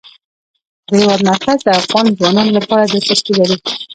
د هېواد مرکز د افغان ځوانانو لپاره دلچسپي لري.